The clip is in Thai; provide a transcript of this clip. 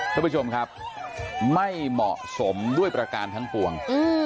ท่านผู้ชมครับไม่เหมาะสมด้วยประการทั้งปวง